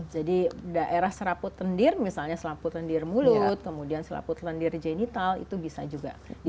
jadi daerah seraput lendir misalnya selaput lendir mulut kemudian selaput lendir jenital itu bisa juga ditemukan